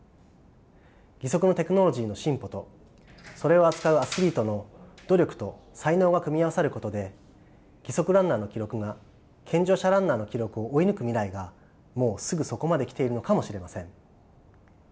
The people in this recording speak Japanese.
義足のテクノロジーの進歩とそれを扱うアスリートの努力と才能が組み合わさることで義足ランナーの記録が健常者ランナーの記録を追い抜く未来がもうすぐそこまで来ているのかもしれません。